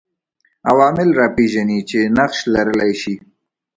عوامل راپېژني چې نقش لرلای دی